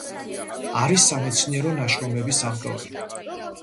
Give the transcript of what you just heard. არის სამეცნიერო ნაშრომების ავტორი.